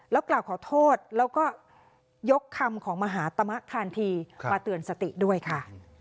กล่าวขอโทษแล้วก็ยกคำของมหาตมะคานทีมาเตือนสติด้วยค่ะ